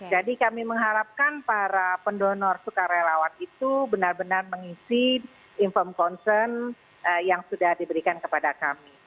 jadi kami mengharapkan para pendonor sukarelawan itu benar benar mengisi inform concern yang sudah diberikan kepada kami